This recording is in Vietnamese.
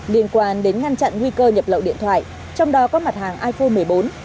liên quan đến ngăn chặn nguy cơ nhập lậu điện thoại trong đó có mặt hàng iphone một mươi bốn